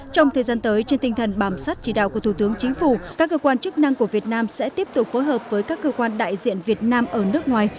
trong thời gian tới trên tinh thần bàm sát chỉ đạo của thủ tướng chính phủ các cơ quan chức năng của việt nam sẽ tiếp tục phối hợp với các cơ quan đại diện việt nam ở nước ngoài